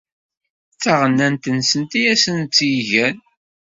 D taɣennant-nsen i asen-tt-igan.